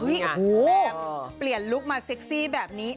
แบบเปลี่ยนลุคมาเซ็กซี่แบบนี้